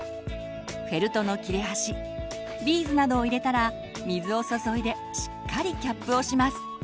フェルトの切れ端ビーズなどを入れたら水を注いでしっかりキャップをします。